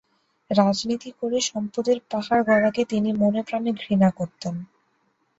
রাজনীতি করে সম্পদের পাহাড় গড়াকে তিনি মনে প্রাণে ঘৃণা করতেন।